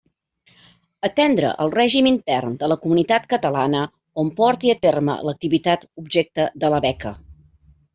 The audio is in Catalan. Atendre el règim intern de la comunitat catalana on porti a terme l'activitat objecte de la beca.